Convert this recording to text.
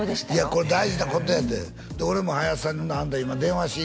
これ大事なことやて俺も林さんに「アンタ今電話しい」